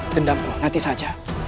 dendam bro nanti saja